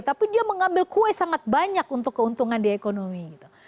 tapi dia mengambil kue sangat banyak untuk keuntungan di ekonomi gitu